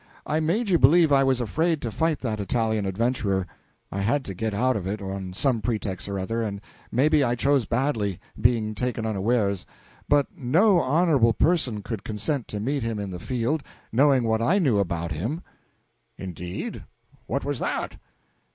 I made you believe I was afraid to fight that Italian adventurer. I had to get out of it on some pretext or other, and maybe I chose badly, being taken unawares, but no honorable person could consent to meet him in the field, knowing what I knew about him." "Indeed? What was that?"